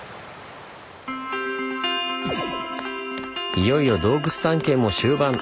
いよいよ洞窟探検も終盤。